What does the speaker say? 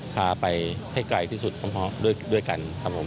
พาไปให้ไกลที่สุดของเขาด้วยกัน